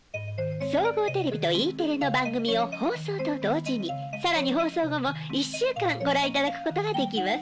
総合テレビとＥテレの番組を放送と同時に更に放送後も１週間ご覧いただくことができます。